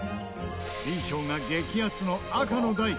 Ｂ賞が激アツの赤の台。